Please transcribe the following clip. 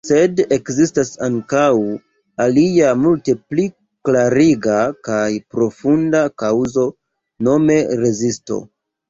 Sed ekzistas ankaŭ alia, multe pli klariga kaj profunda kaŭzo, nome rezisto.